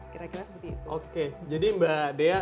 kira kira seperti itu